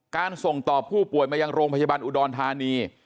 ส่งต่อผู้ป่วยมายังโรงพยาบาลอุดรธานี